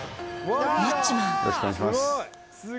よろしくお願いします。